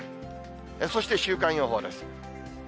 そして週間予報です。